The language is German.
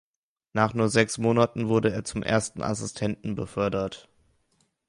Nach nur sechs Monaten wurde er zum Ersten Assistenten befördert.